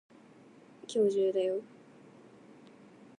地獄の底には、暗い暗い池が広がっていました。